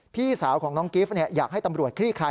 พี่สาวของน้องกิฟต์อยากให้ตำรวจคลี่คลาย